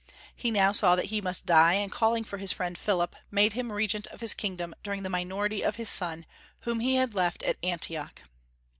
He now saw that he must die, and calling for his friend Philip, made him regent of his kingdom during the minority of his son, whom he had left at Antioch.